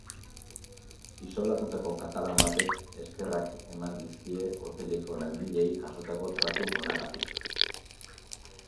Isolatutako katalan batek eskerrak eman dizkie hoteleko langileei jasotako tratu onagatik.